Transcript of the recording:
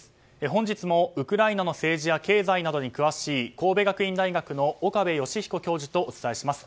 本日もウクライナの政治や経済などに詳しい神戸学院大学の岡部芳彦教授とお伝えします。